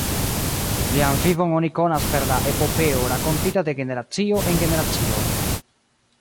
Lian vivon oni konas per la epopeo rakontita de generacio en generacio.